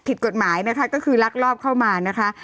ผิดกฎหมายนะคะก็คือลักลอบเข้ามานะคะ